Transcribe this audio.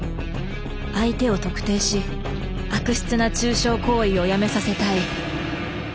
相手を特定し悪質な中傷行為をやめさせたい。